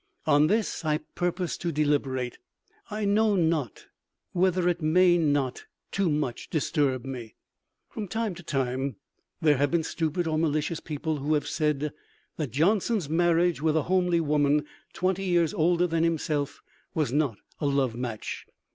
On this I purpose to deliberate; I know not whether it may not too much disturb me." From time to time there have been stupid or malicious people who have said that Johnson's marriage with a homely woman twenty years older than himself was not a love match.